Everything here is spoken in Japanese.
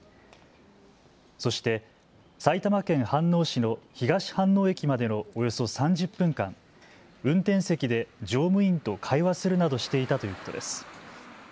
そして埼玉県飯能市の東飯能駅までのおよそ３０分間、運転席で乗務員と会話するなどしていたということです。